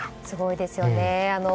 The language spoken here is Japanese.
すごいですよね。